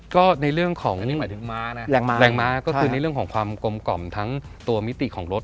ก็ในเรื่องของแรงม้าก็คือในเรื่องของความกลมกล่อมทั้งตัวมิติของรถ